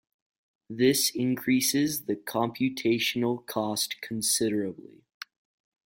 This increases the computational cost considerably.